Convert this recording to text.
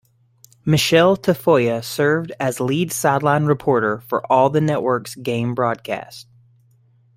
Michele Tafoya served as lead sideline reporter for all of the network's game broadcasts.